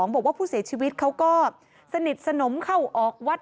บอกว่าผู้เสียชีวิตเขาก็สนิทสนมเข้าออกวัด